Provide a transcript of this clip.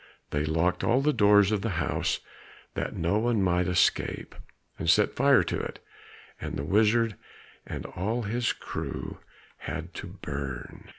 They locked all the doors of the house, that no one might escape, set fire to it, and the wizard and all his crew had to burn.